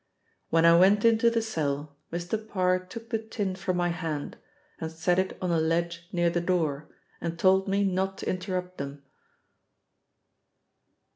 When I went into the cell Mr. Parr took the tin from my hand, and set it on a ledge near the door and told me not to interrupt them."